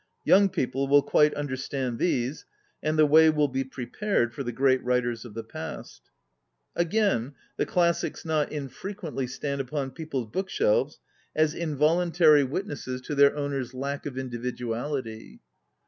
Young people will quite understand these, and the way will be prepared for the great writers of the past. Again, the classics not infrequently stand upon people's book shelves as involuntary witnesses 2S ON READING to their owner's lack of individual ity.